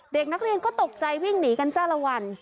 เด็กนักเรียนก็ตกใจวิ่งหนีกันจ้าละวัน